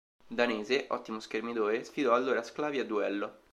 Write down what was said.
Danese, ottimo schermidore, sfidò allora Sclavi a duello.